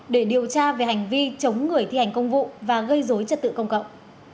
để điều tra về hành vi chống người thi hành công vụ và gây dối trật tự công cộng